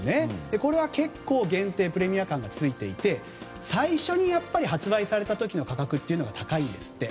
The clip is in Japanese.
これは結構プレミア感がついていて最初に発売された時の価格が高いんですって。